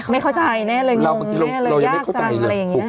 ไม่เข้าใจแน่เลยงงแน่เลยยากจังเลย